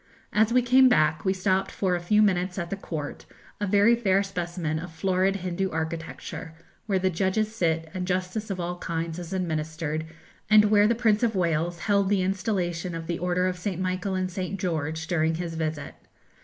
As we came back we stopped for a few minutes at the Court, a very fair specimen of florid Hindoo architecture, where the judges sit, and justice of all kinds is administered, and where the Prince of Wales held the installation of the Order of St. Michael and St. George during his visit.